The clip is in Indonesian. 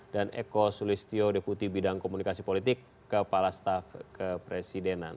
dan eko sulistyo deputi bidang komunikasi politik kepala staff kepresidenan